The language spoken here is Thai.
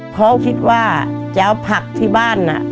เพราะคิดว่าจะเอาผักที่บ้าน